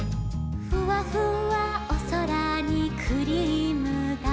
「ふわふわおそらにクリームだ」